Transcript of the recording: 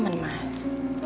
tidak ada pertaraan kita